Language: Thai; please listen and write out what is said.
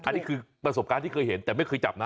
อันนี้คือประสบการณ์ที่เคยเห็นแต่ไม่เคยจับนะ